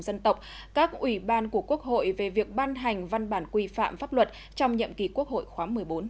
dân tộc các ủy ban của quốc hội về việc ban hành văn bản quy phạm pháp luật trong nhậm kỳ quốc hội khóa một mươi bốn